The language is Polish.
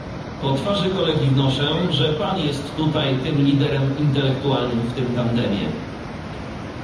Po twarzy kolegi wnoszę, że pan jest tutaj tym liderem intelektualnym w tym tandemie.